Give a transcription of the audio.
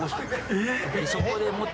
えっ？